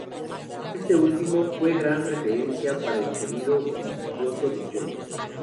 Este último fue una gran referencia para el sonido virtuoso de Joe.